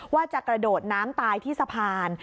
ว่าจะกระโดดน้ำตายที่สะพาน